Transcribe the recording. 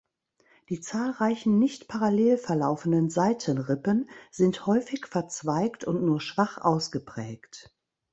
Die zahlreichen, nicht parallel verlaufenden Seitenrippen sind häufig verzweigt und nur schwach ausgeprägt.